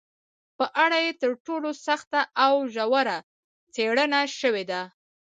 په اړه یې تر ټولو سخته او ژوره څېړنه شوې ده